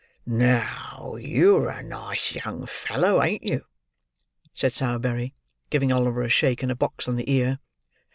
"Now, you are a nice young fellow, ain't you?" said Sowerberry; giving Oliver a shake, and a box on the ear.